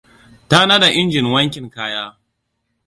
Ta nada injin wankin kaya.